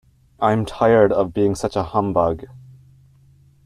I am tired of being such a humbug.